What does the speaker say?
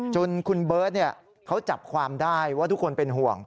จนคุณเบิร์ตเขาจับความได้ว่าทุกคนเป็นห่วง